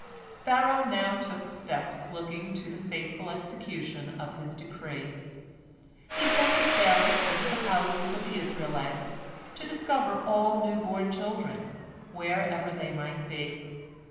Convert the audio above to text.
Pharaoh now took steps looking to the faithful execution of his decree. He sent his bailiffs into the houses of the Israelites, to discover all new born children, wherever they might be.